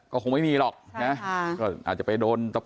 ก็คงไม่มีหรอกใช่ค่ะอาจจะไปโดน